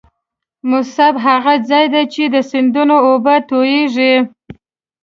مصب هغه ځاي دې چې د سیندونو اوبه تویږي.